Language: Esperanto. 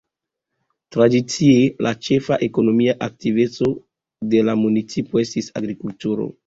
Tradicie la ĉefa ekonomia aktiveco de la municipo estis agrikulturo.